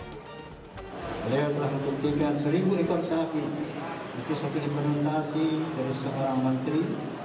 dia memulai untuk tingkatan seribu ekor sakit itu sakit imunitasi dari seorang menteri